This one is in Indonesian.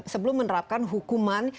sebelum menerapkan hukuman